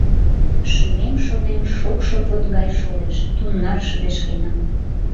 Шӱмем-шодем шокшо под гай шолеш — тунар шыдешкенам.